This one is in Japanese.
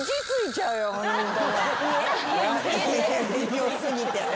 良過ぎて。